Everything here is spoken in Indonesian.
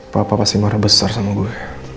papa pasti marah besar sama gue